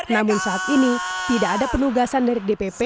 namun saat ini tidak ada penugasan dari dpp